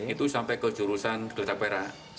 itu sampai ke jurusan gelita perak